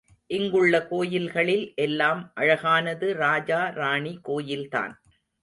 இங்குள்ள கோயில்களில் எல்லாம் அழகானது ராஜா ராணி கோயில்தான்.